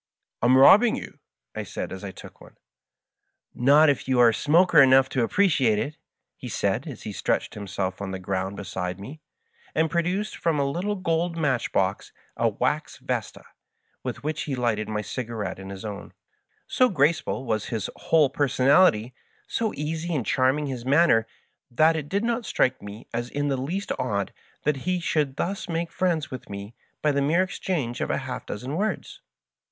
" I am robbing you," I said, as I took one. Digitized by VjOOQIC 136 MT FASCmATINQ FRIEND. "Not if you are smoker enongh to appreciate it," he said, as he stretched himself on the gromid beside me, and produced from a little gold match box a wax yesta, with which he lighted mj cigarette and his own. So graceful was his whole personality, so easy and cliarming his manner, that it did not strike me as in the least odd that he should thus make friends with me by the mere exchange of half a dozen words.